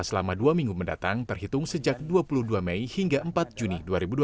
selama dua minggu mendatang terhitung sejak dua puluh dua mei hingga empat juni dua ribu dua puluh